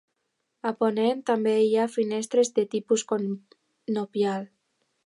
A ponent també hi ha finestres de tipus conopial.